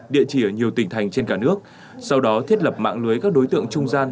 địa chỉ ở nhiều tỉnh thành trên cả nước sau đó thiết lập mạng lưới các đối tượng trung gian